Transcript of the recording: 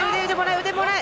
腕もらえ。